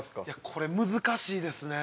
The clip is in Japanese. これ難しいですね。